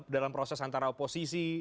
dalam proses antara oposisi